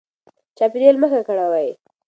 چاپیریال مه ککړوئ.